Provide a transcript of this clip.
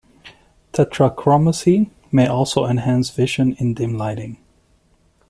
Tetrachromacy may also enhance vision in dim lighting.